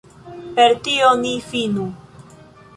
Per tio ni finu.